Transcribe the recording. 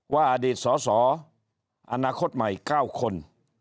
อดีตสสอนาคตใหม่๙คน